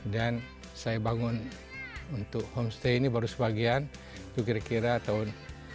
dan saya bangun untuk homestay ini baru sebagian itu kira kira tahun dua ribu